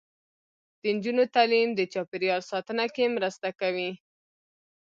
د نجونو تعلیم د چاپیریال ساتنه کې مرسته کوي.